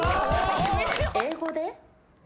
英語で？